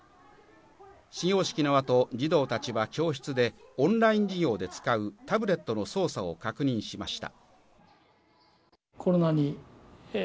始業式の後、児童たちは教室でオンライン授業で使うタブレットの操作を確認しました。